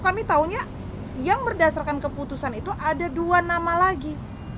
kami tahunya yang berdasarkan keputusan itu ada dua nama lagi